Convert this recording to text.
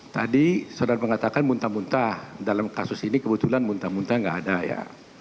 tadi saudara mengatakan muntah muntah dalam kasus ini kebetulan muntah muntah nggak ada ya